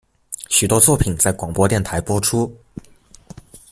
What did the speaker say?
许多作品在广播电台播出。